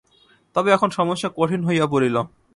তবে এখন সমস্যা কঠিন হইয়া পড়িল।